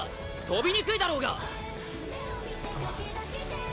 飛びにくいだろうが！